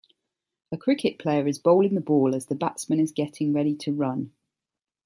A cricket player is bowling the ball as the batsman is getting ready to run